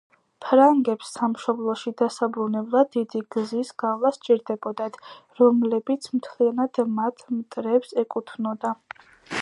ფრანგებს სამშობლოში დასაბრუნებლად დიდი გზის გავლა სჭირდებოდათ, რომლებიც მთლიანად მათ მტრებს ეკუთვნოდა.